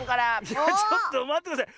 ちょっとまってください。